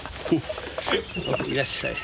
いらっしゃい。